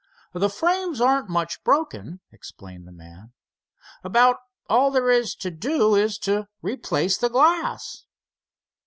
"The frames aren't much broken," explained the man. "About all there is to do is to replace the glass."